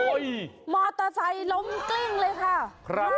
โอ้ยมอเตอร์ไซด์ล้มกลิ้งเลยค่ะ